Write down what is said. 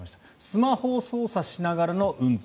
スマホを操作しながらの運転